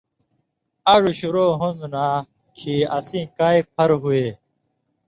اڙوۡ شُروع ہُون٘دوۡ نا کھیں اسیں کائ پھر ہُوئے